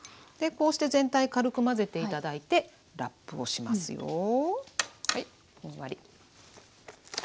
でこうして全体軽く混ぜて頂いてラップをしますよ。